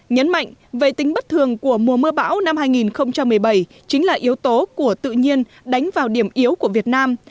nhấn mạnh về tính bất thường của mùa mưa bão năm hai nghìn một mươi bảy chính là yếu tố của tự nhiên đánh vào điểm yếu của việt nam